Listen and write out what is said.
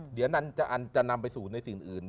เดี๋ยวอันจะนำไปสู่ในสิ่งอื่น